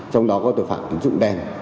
trong đó có tội phạm tính dụng đen